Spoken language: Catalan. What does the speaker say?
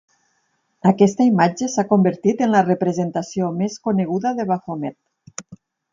Aquesta imatge s'ha convertit en la representació més coneguda de Bafomet.